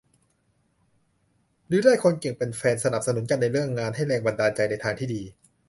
หรือได้คนเก่งเป็นแฟน สนับสนุนกันในเรื่องงาน ให้แรงบันดาลใจในทางที่ดี